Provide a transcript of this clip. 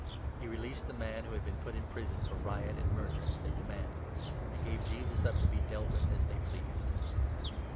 He released the man who had been put in prison for riot and murder, as they demanded, and gave Jesus up to be dealt with as they pleased.